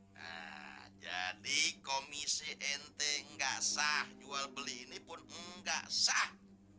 nah jadi komisi nt tidak sah jual beli ini pun tidak sah